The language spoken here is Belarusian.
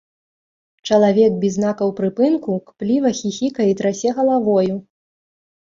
Чалавек без знакаў прыпынку кпліва хіхікае і трасе галавою.